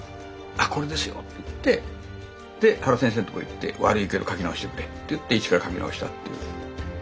「あこれですよ！」って言って原先生のとこ行って「悪いけど描き直してくれ」って言って一から描き直したという。